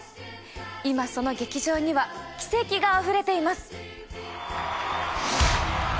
今その劇場には奇跡があふれています！